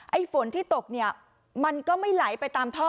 ฝนที่ตกเนี่ยมันก็ไม่ไหลไปตามท่อ